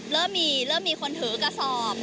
เริ่มมีคนถือกระสอบ